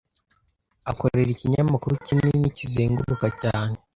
Akorera ikinyamakuru kinini kizenguruka cyane.